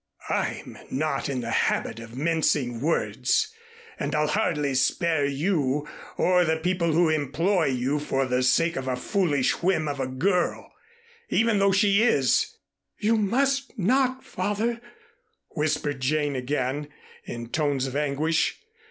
"I'm not in the habit of mincing words, and I'll hardly spare you or the people who employ you for the sake of a foolish whim of a girl, even though she is " "You must not, Father," whispered Jane again, in tones of anguish.